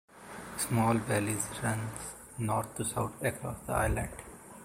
Small valleys run north to south across the island.